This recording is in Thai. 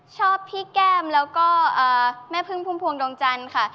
ชอบพี่แก้มแล้วก็แม่พึ่งพุ่มพวงดวงจันทร์ค่ะ